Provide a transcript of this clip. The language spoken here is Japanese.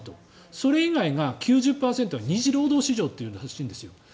それ以外が９０％の２次労働市場というらしいんです。